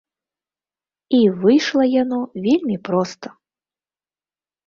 І выйшла яно вельмі проста.